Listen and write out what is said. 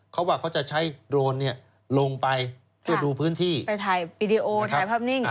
เขาว่าเขาจะใช้โดรนเนี่ยลงไปเพื่อดูพื้นที่ไปถ่ายวีดีโอถ่ายภาพนิ่ง